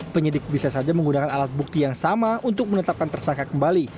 penyidik bisa saja menggunakan alat bukti yang sama untuk menetapkan tersangka kembali